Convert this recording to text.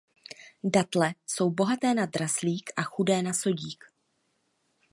Datle jsou bohaté na draslík a chudé na sodík.